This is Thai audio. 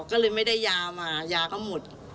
ก็เลยไม่ได้ยามายาก็หมด